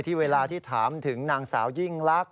เวลาที่ถามถึงนางสาวยิ่งลักษ